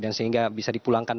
dan sehingga bisa dipulangkan